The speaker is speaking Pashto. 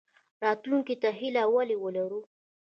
راتلونکي ته هیله ولې ولرو؟